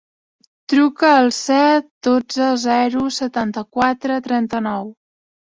Truca al set, dotze, zero, setanta-quatre, trenta-nou.